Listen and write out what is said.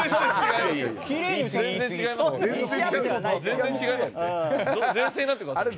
全然違いますって。